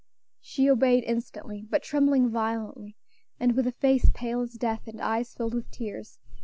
She obeyed instantly, but trembling violently, and with a face pale as death, and eyes filled with tears.